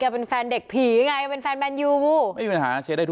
เพราะว่าผมดูสายตาแล้ว